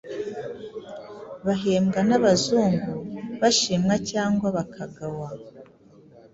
bahembwa n'Abazungu bashimwa cyangwa bakagawa,